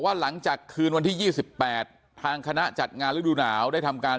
หลังจากคืนวันที่๒๘ทางคณะจัดงานฤดูหนาวได้ทำการ